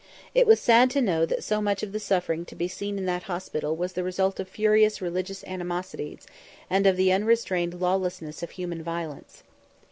It was sad to know that so much of the suffering to be seen in that hospital was the result of furious religious animosities, and of the unrestrained lawlessness of human violence.